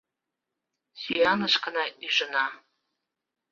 Сӱанышкына ӱжына.